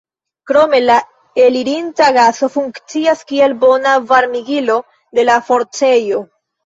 Krome la elirinta gaso funkcias kiel bona varmigilo de la forcejo.